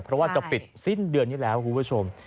เพราะว่าจะปิดสิ้นเดือนนี้แล้วคุณผู้ชม